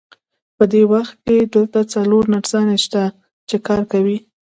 په دې وخت کې دلته څلور نرسانې شته، چې کار کوي.